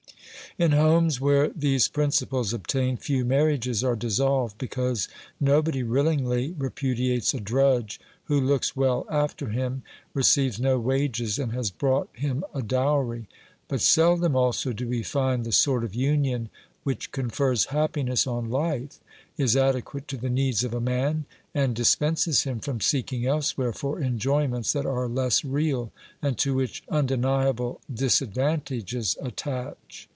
In homes where these principles obtain, , few marriages are dissolved, because nobody willingly repudiates a drudge who looks well after him, receives no wages, and has brought him a dowry ; but seldom also do we find the sort of union which confers happiness on life, is adequate to the needs of Q 242 OBERMANN a man, and dispenses him from seeking elsewhere for enjoyments that are less real, and to which undeniable disadvantages attach.